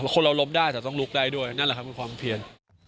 คนเราล้มได้แต่ต้องลุกได้ด้วยนั่นแหละครับเป็นความเพียน